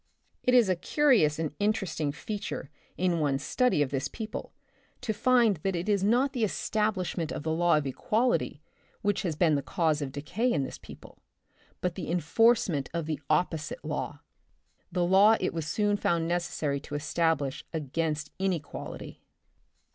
It is a curious and interesting feature in one's study of this people, to find that it is not 74 The Republic of the Future, the establishment of the law of equality which has been the cause of decay in this people, but the enforcement of the opposite law — the law it was soon found necessary to establish against inequality.